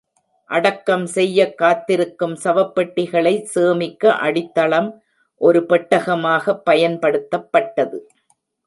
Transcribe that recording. அடக்கம் செய்யக் காத்திருக்கும் சவப்பெட்டிகளை சேமிக்க அடித்தளம் ஒரு பெட்டகமாக பயன்படுத்தப்பட்டது.